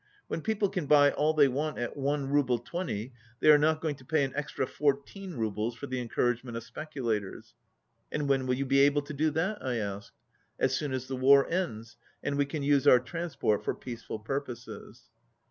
When people can buy all they want at i rouble 20 they are not going to pay an extra 14 roubles for the encouragement of speculators." "And when will you be able to do that^" I asked. "As soon as the war ends, and we can use our transport for peaceful purposes."